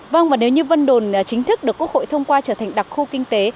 vâng và nếu như vân đồn chính thức được quốc hội thông qua trở thành đặc khu kinh tế